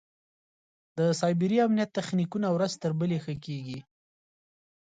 د سایبري امنیت تخنیکونه ورځ تر بلې ښه کېږي.